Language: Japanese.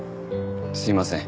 すいません。